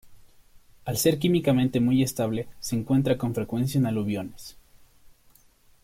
Al ser químicamente muy estable, se encuentra con frecuencia en aluviones.